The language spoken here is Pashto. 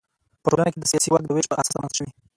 په ټولنه کې د سیاسي واک د وېش پر اساس رامنځته شوي.